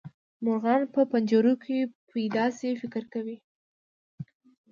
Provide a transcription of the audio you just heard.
مرغان چې په پنجرو کې پیدا شي فکر کوي.